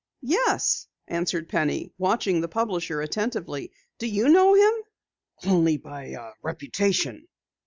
"Yes," answered Penny, watching the publisher attentively. "Do you know him?" "Only by reputation.